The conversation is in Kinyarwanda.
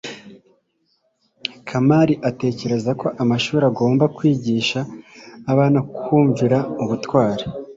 kamali atekereza ko amashuri agomba kwigisha abana kumvira ubutware